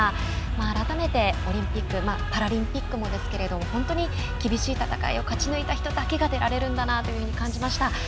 改めて、オリンピックパラリンピックもですけれども本当に厳しい戦いを勝ち抜いた人だけが出られるんだなというふうに感じました。